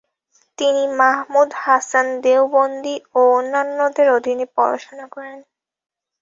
তিনি মাহমুদ হাসান দেওবন্দি ও অন্যান্যদের অধীনে পড়াশোনা করেন।